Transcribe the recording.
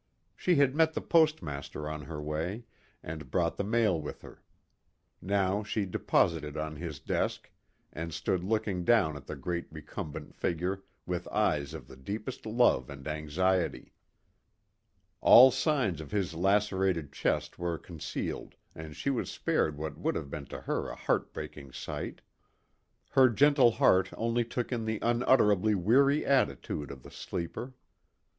She had met the postmaster on her way, and brought the mail with her. Now she deposited it on his desk and stood looking down at the great recumbent figure with eyes of the deepest love and anxiety. All signs of his lacerated chest were concealed and she was spared what would have been to her a heartbreaking sight. Her gentle heart only took in the unutterably weary attitude of the sleeper.